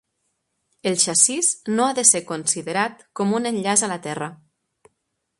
El xassís no ha de ser considerat com un enllaç a la Terra.